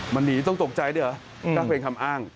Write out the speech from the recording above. มันหนีต้องตกใจด้วยเหรอก็เป็นคำอ้าง